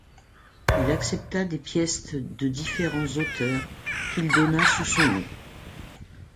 Il accepta des pièces de différents auteurs qu’il donna sous son nom.